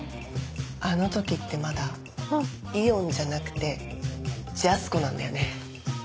あの時ってまだイオンじゃなくてジャスコなんだよね。